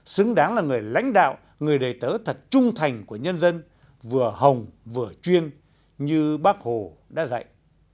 xứng đáng là người lãnh đạo người đề tớ thật trung thành của nhân dân vừa hồng vừa chuyên như bác hồ đã dạy